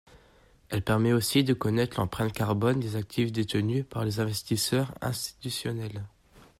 Elle permet aussi de connaître l’empreinte carbone des actifs détenus par les investisseurs institutionnels.